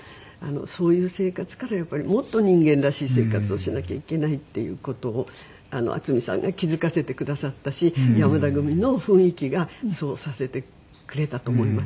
そういう生活からやっぱりもっと人間らしい生活をしなきゃいけないっていう事を渥美さんが気付かせてくださったし山田組の雰囲気がそうさせてくれたと思います。